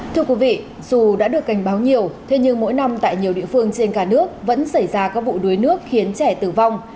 thưa quý vị dù đã được cảnh báo nhiều thế nhưng mỗi năm tại nhiều địa phương trên cả nước vẫn xảy ra các vụ đuối nước khiến trẻ tử vong